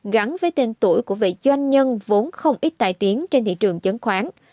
gắn với tên tuổi của vị doanh nhân vốn không ít tài tiến trên thị trường chứng khoán